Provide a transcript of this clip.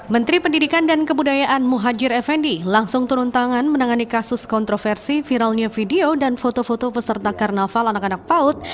menteri pendidikan dan kebudayaan muhajir effendi langsung turun tangan menangani kasus kontroversi viralnya video dan foto foto peserta karnaval anak anak paut